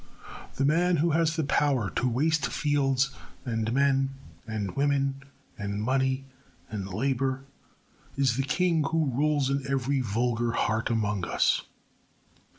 The man who has the power to waste fields and men and women and money and labour is the king who rules in every vulgar heart among us.